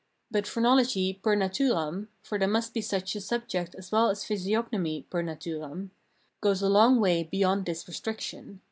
But phrenology fer naturam — for there must be such a subject as well as a physiognomy fer naturam — goes a long way beyond this restriction.